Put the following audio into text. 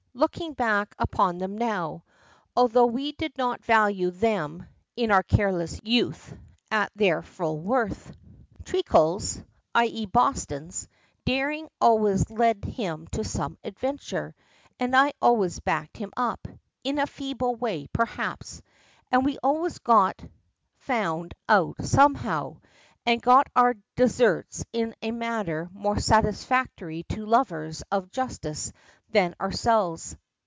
looking back upon them now, although we did not value them, in our careless youth, at their full worth. Treacle's i.e., Boston's daring always led him to some adventure, and I always backed him up in a feeble way, perhaps, and we always got found out somehow, and got our deserts in a manner more satisfactory to lovers of justice than to ourselves.